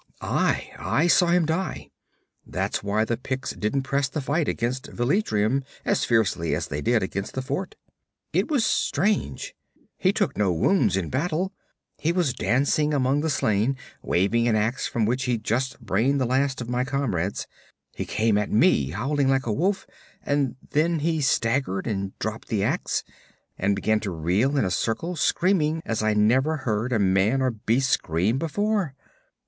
'Aye. I saw him die. That's why the Picts didn't press the fight against Velitrium as fiercely as they did against the fort. It was strange. He took no wounds in battle. He was dancing among the slain, waving an ax with which he'd just brained the last of my comrades. He came at me, howling like a wolf and then he staggered and dropped the ax, and began to reel in a circle screaming as I never heard a man or beast scream before.